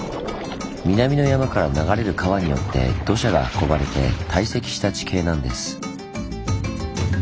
南の山から流れる川によって土砂が運ばれて堆積した地形なんです。